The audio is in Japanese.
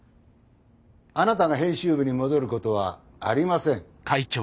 あなたが編集部に戻ることはありません。